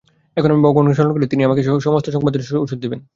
এখন আমি ভগবানকে স্মরণ করি–তিনি আমাকে আমার সমস্ত সংসারদাহের শেষ ওষুধ দিবেন।